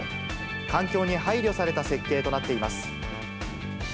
環境に配慮された設計となっています。